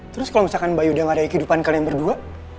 terus kalau misalkan bayu udah gak ada kehidupan kalian berdua